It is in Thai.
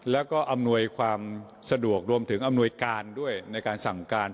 แล้วก็อำนวยความสะดวกรวมถึงอำนวยการด้วยในการสั่งการ